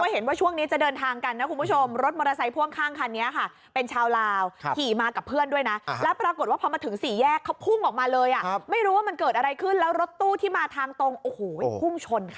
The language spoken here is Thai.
เห็นว่าช่วงนี้จะเดินทางกันนะคุณผู้ชมรถมอเตอร์ไซค์พ่วงข้างคันนี้ค่ะเป็นชาวลาวขี่มากับเพื่อนด้วยนะแล้วปรากฏว่าพอมาถึงสี่แยกเขาพุ่งออกมาเลยอ่ะไม่รู้ว่ามันเกิดอะไรขึ้นแล้วรถตู้ที่มาทางตรงโอ้โหพุ่งชนค่ะ